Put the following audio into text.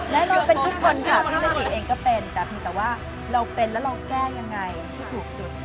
และเราเป็นทุกคนค่ะพี่ไม่อยู่เองก็เป็นแต่เพียงแต่ว่าเราเป็นแล้วเราแก้ยังไงที่ถูกจุด